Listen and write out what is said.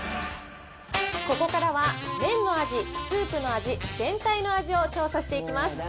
ここからは麺の味、スープの味、全体の味を調査していきます。